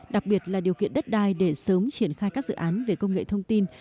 đặc biệt là điều kiện đất đai để sớm triển khai các dự án về công nghệ thông tin